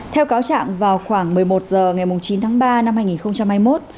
theo cáo trạng vào khoảng một mươi một h ngày chín tháng ba năm hai nghìn hai mươi một